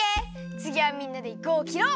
つぎはみんなでぐをきろう！